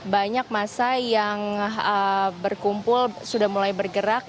banyak masa yang berkumpul sudah mulai bergerak